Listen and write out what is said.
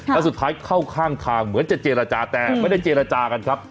แล้วสุดท้ายเข้าข้างทางเหมือนจะเจรจาแต่ไม่ได้เจรจากันครับ